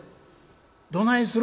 「どないする？